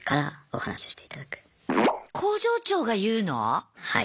はい。